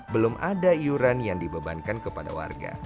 belum ada iuran yang dibebankan kepada warga